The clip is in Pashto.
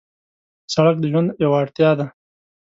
سړک د ژوند یو اړتیا ده.